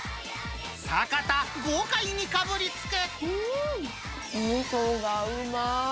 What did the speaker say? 坂田、豪快にかぶりつく。